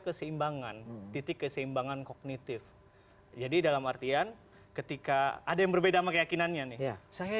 keseimbangan titik keseimbangan kognitif jadi dalam artian ketika ada yang berbeda meyakinannya nih saya